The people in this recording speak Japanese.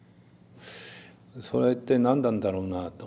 それって何なんだろうなと。